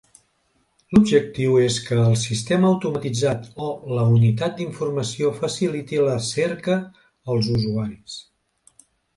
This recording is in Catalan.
L'objectiu és que el sistema automatitzat o la unitat d'informació faciliti la cerca als usuaris.